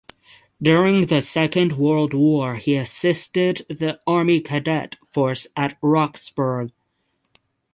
During the Second World War he assisted the Army Cadet Force at Roxburgh.